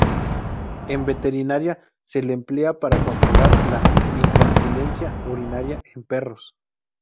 En veterinaria, se le emplea para controlar la incontinencia urinaria en perros.